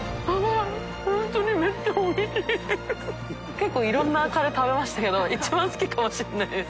結構いろんなカレー食べましたけど貳好きかもしれないです